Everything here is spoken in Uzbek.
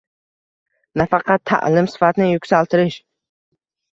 nafaqat ta’lim sifatini yuksaltirish